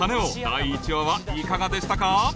第１話はいかがでしたか？